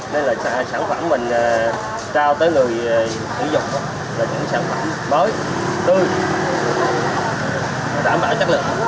đây là sản phẩm mình trao tới người sử dụng là những sản phẩm mới tươi đảm bảo chất lượng